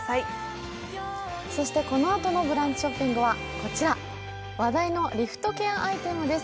このあとの「ブランチ」ショッピングは話題のリフトケアアイテムです。